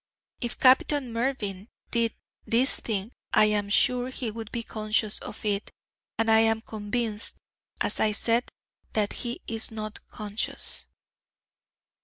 If Captain Mervyn did this thing, I am sure he would be conscious of it, and I am convinced, as I said, that he is not conscious."